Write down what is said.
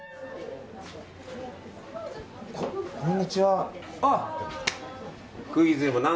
こんにちは。